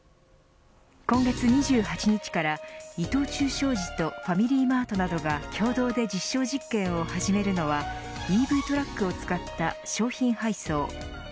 今月２８日から伊藤忠商事とファミリーマートなどが共同で実証実験を始めるのはＥＶトラックを使った商品配送。